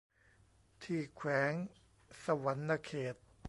ที่แขวงสะหวันนะเขต